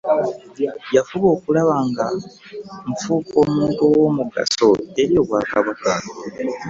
Yafuba okulaba nga nfuuuka omuntu ow'omugaso eri obwakabaka .